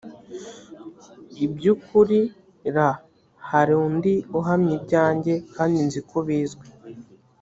iby ukuri r hari undi uhamya ibyanjye kandi nzi ko bizwi